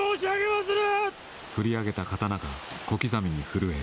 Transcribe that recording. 振り上げた刀が、小刻みに震える。